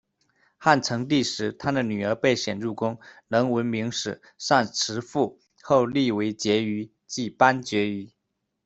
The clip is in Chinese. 汉成帝时，他的女儿被选入宫，能文明史，善辞赋，后立为婕妤，即班婕妤。